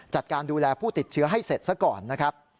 จัดการดูแลผู้ติดเชื้อให้เสร็จซะก่อนนะครับ